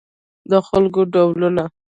د خلکو ډولونه